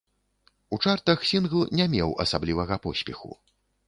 У чартах сінгл не меў асаблівага поспеху.